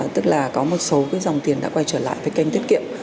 tức là có một số dòng tiền đã quay trở lại với kênh tiết kiệm